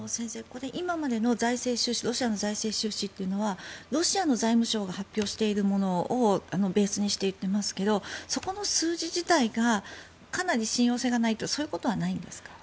今までのロシアの財政収支というのはロシアの財務省が発表しているものをベースにしていますけどもそこの数字自体がかなり信用性がないとそういうことはないんですか？